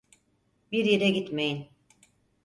Bir yere gitmeyin.